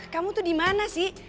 kamu tuh dimana sih